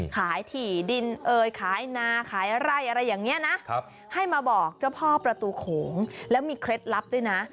ถี่ดินเอ่ยขายนาขายไร่อะไรอย่างนี้นะให้มาบอกเจ้าพ่อประตูโขงแล้วมีเคล็ดลับด้วยนะ